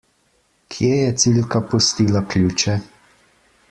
Kje je Cilka pustila ključe?